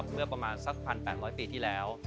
เมื่อประมาณสัก๑๘๐๐ปีที่แล้ว